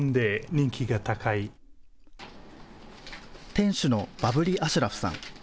店主のバブリ・アシュラフさん。